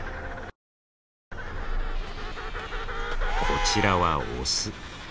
こちらはオス。